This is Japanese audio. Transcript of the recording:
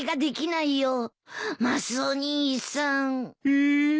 え。